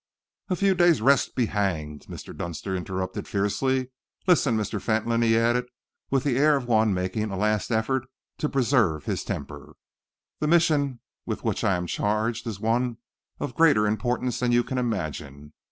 "A few days' rest be hanged!" Mr. Dunster interrupted fiercely. "Listen, Mr. Fentolin," he added, with the air of one making a last effort to preserve his temper, "the mission with which I am charged is one of greater importance than you can imagine.